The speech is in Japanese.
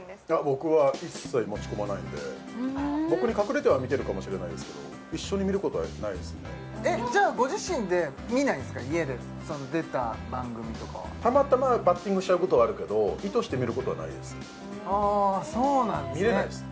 僕は一切持ち込まないんで僕に隠れては見てるかもしれないですけどじゃあご自身で見ないんですか家で出た番組とかはたまたまバッティングしちゃうことはあるけどあそうなんですね見れないです